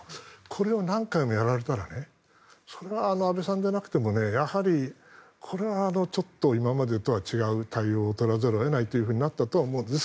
これを何回もやられたらそれは安倍さんでなくてもやはりこれはちょっと今までとは違う対応を取らざるを得ないとなったとは思うんです。